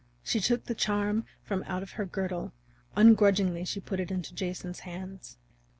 She took the charm from out her girdle; ungrudgingly she put it into Jason's hands.